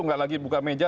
tidak lagi buka meja